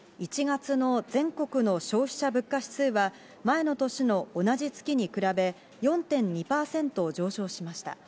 １月の全国の消費者物価指数は、前の年の同じ月に比べ、４．２％上昇しました。